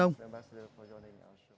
cảm ơn các bạn đã theo dõi